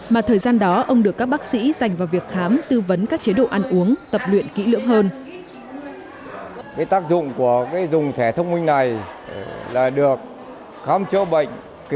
mà thời gian đó ông được các bác sĩ dành vào việc khám tư vấn các chế độ ăn uống tập luyện kỹ lưỡng hơn